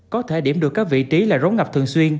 có thể điểm được các vị trí là rốn ngập thường xuyên